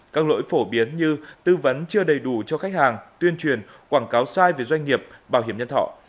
các lỗi phổ biến như tư vấn chưa đầy đủ cho khách hàng tuyên truyền quảng cáo sai về doanh nghiệp bảo hiểm nhân thọ